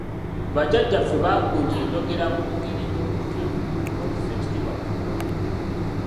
Bajjajjaffe baagunja enjogera mu ngeri y’okutya n’okussa ekitiibwa mu Kabaka.